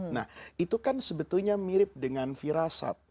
nah itu kan sebetulnya mirip dengan firasat